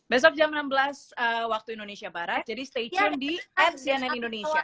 besok jam enam belas waktu indonesia barat jadi stay tune di fcnn indonesia